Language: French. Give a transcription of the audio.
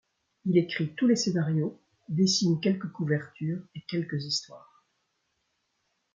Il écrit tous les scénarios, dessine quelques couvertures et quelques histoires.